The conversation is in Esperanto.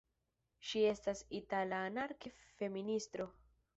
Ŝi estis itala anarki-feministo.